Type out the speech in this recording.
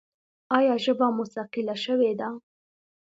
ایا ژبه مو ثقیله شوې ده؟